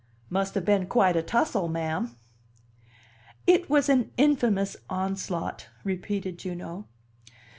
"Must have been quite a tussle, ma'am." "It was an infamous onslaught!" repeated Juno.